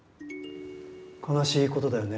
悲しいことだよね。